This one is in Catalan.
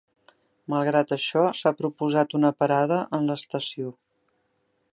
Malgrat això, s'ha proposat una parada en l'estació.